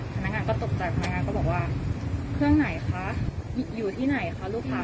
พนักงานก็ตกใจพนักงานก็บอกว่าเครื่องไหนคะอยู่ที่ไหนคะลูกค้า